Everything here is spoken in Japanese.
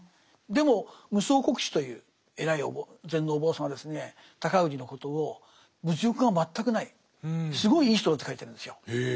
でも夢窓国師という偉い禅のお坊さんがですね尊氏のことを物欲が全くないすごいいい人だって書いてるんですよ。